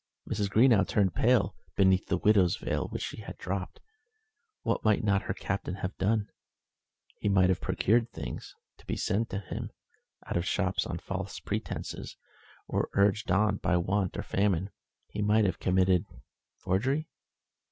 Mrs. Greenow turned pale beneath the widow's veil which she had dropped. What might not her Captain have done? He might have procured things, to be sent to him, out of shops on false pretences; or, urged on by want and famine, he might have committed forgery.